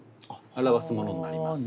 表すものになります。